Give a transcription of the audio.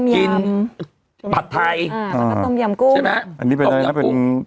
กินผัดไทยอ่าใช่ไหมอันนี้เป็นอะไรนะเป็น